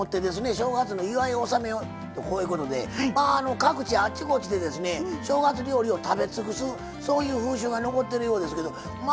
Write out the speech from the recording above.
正月の祝い納めをとこういうことでまあ各地あちこちでですね正月料理を食べ尽くすそういう風習が残ってるようですけどまあ